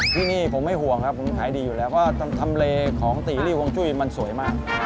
ที่นี่ผมไม่ห่วงครับผมขายดีอยู่แล้วเพราะทำเลของตีรี่ฮวงจุ้ยมันสวยมาก